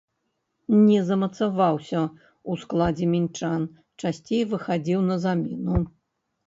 Не замацаваўся ў складзе мінчан, часцей выхадзіў на замену.